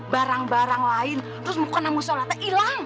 barang barang lain terus makananmu sholatnya hilang